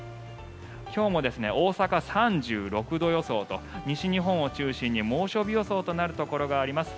今日も大阪、３６度予想と西日本を中心に猛暑日予想となるところがあります。